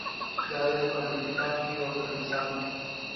دا د کاتولیکانو یوه کلیسا ده.